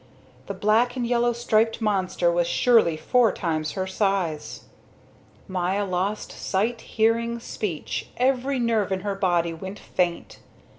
The black and yellow striped monster was surely four times her size. Maya lost sight, hearing, speech; every nerve in her body went faint.